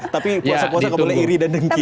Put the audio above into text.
tapi puasa puasa gak boleh iri dan dengki